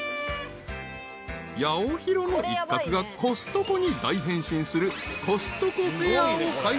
［ヤオヒロの一角がコストコに大変身する］